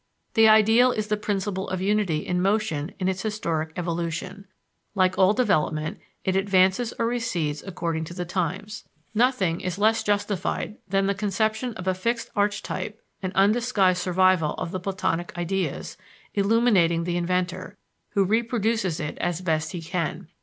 The ideal is the principle of unity in motion in its historic evolution; like all development, it advances or recedes according to the times. Nothing is less justified than the conception of a fixed archetype (an undisguised survival of the Platonic Ideas), illuminating the inventor, who reproduces it as best he can.